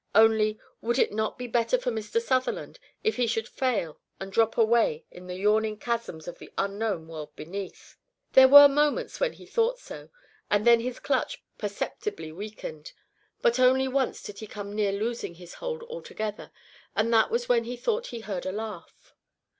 Only, would it not be better for Mr. Sutherland if he should fail and drop away into the yawning chasms of the unknown world beneath? There were moments when he thought so, and then his clutch perceptibly weakened; but only once did he come near losing his hold altogether. And that was when he thought he heard a laugh.